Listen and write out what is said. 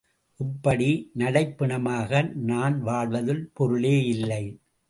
இப்படி நடைப்பிணமாக நான் வாழ்வதில் பொருளே இல்லை.